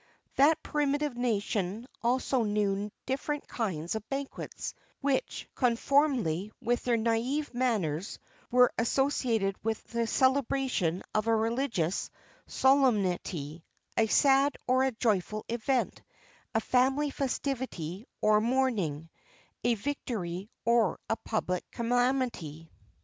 [XXX 5] That primitive nation also knew different kinds of banquets, which, conformably with their naïve manners, were associated with the celebration of a religious solemnity, a sad or a joyful event, a family festivity or mourning, a victory or a public calamity.